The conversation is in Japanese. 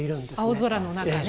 青空の中ね。